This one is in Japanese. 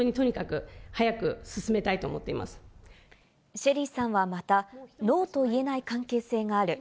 ＳＨＥＬＬＹさんはまた、ノーと言えない関係性がある。